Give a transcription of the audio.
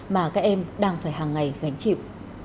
mà các em đang phải hàng ngày gánh chịu